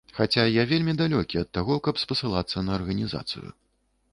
Хаця я вельмі далёкі ад таго, каб спасылацца на арганізацыю.